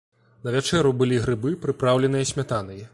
На вячэру былі грыбы, прыпраўленыя смятанай.